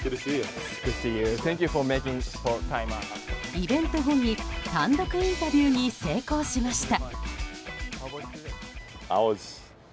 イベント後に単独インタビューに成功しました。